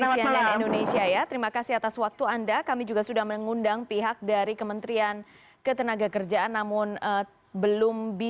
selamat malam mbak tiasri